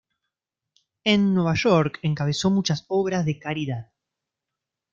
En Nueva York encabezó muchas obras de caridad.